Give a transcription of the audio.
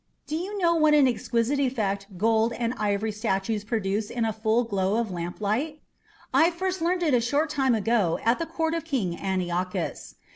Do you know what an exquisite effect gold and ivory statues produce in a full glow of lamplight? I first learned it a short time ago at the court of King Antiochus.